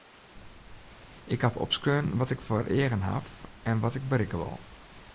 Ik haw opskreaun wat ik foar eagen haw en wat ik berikke wol.